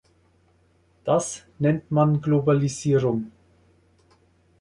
Das nennt man Globalisierung.